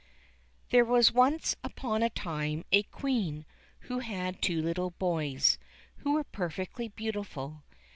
There was once upon a time a Queen who had two little boys, who were perfectly beautiful.